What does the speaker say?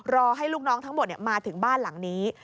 รอให้ลูกน้องทั้งหมดมาถึงบ้านหลังนี้